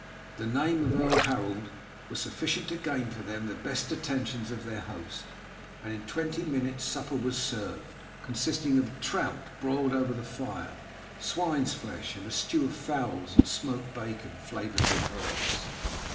The name of Earl Harold was sufficient to gain for them the best attentions of their host, and in twenty minutes supper was served, consisting of trout broiled over the fire, swine's flesh, and a stew of fowls and smoked bacon flavoured with herbs.